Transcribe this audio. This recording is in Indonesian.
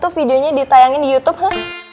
videonya ditayangin di youtube